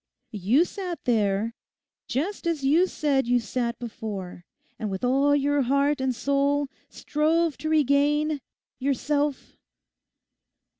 'You sat there, just as you said you sat before; and with all your heart and soul strove to regain—yourself?